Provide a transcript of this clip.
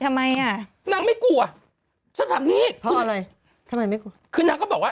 ทำไมอ่ะนางไม่กลัวฉันถามนี่คืออะไรทำไมไม่กลัวคือนางก็บอกว่า